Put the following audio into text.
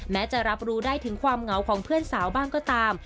แม้จะรับรู้ได้ถึงความเหงาของเพื่อนสาวบ้างก็ตาม